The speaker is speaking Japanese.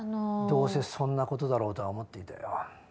どうせそんなことだろうとは思っていたよ。